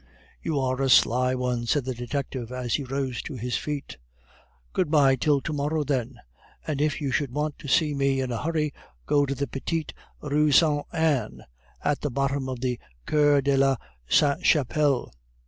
"You are a sly one," said the detective as he rose to his feet. "Good bye till to morrow, then. And if you should want to see me in a hurry, go to the Petite Rue Saint Anne at the bottom of the Cour de la Sainte Chapelle.